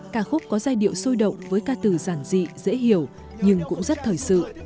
ca khúc có giai điệu sôi động với ca từ giản dị dễ hiểu nhưng cũng rất thời sự